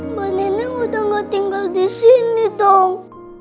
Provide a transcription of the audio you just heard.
mba neneng udah gak tinggal disini dong